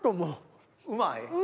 うまい？